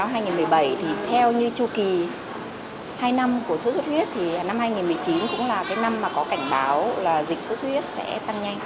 hai năm của sốt xuất huyết thì năm hai nghìn một mươi chín cũng là cái năm mà có cảnh báo là dịch sốt xuất huyết sẽ tăng nhanh